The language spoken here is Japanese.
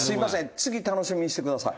次、楽しみにしてください」